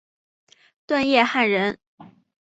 段业汉人。